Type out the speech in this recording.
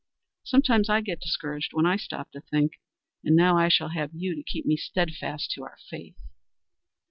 Sometimes I get discouraged when I stop to think, and now I shall have you to keep me steadfast to our faith."